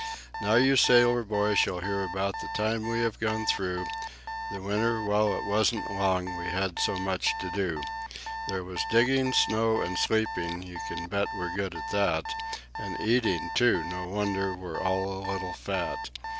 Now you sailor boys shall hear about the time we have gone through: The winter well, it wasn't long, we had so much to do. There was digging snow, and sleeping you can bet we're good at that And eating, too no wonder that we're all a little fat.